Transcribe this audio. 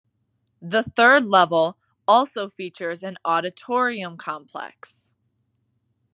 The third level also features an auditorium complex.